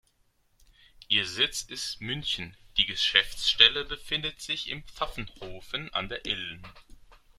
Ihr Sitz ist München, die Geschäftsstelle befindet sich in Pfaffenhofen an der Ilm.